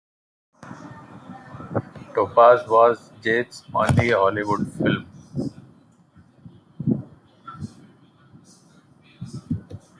"Topaz" was Jade's only Hollywood film.